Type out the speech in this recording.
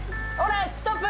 ストップ！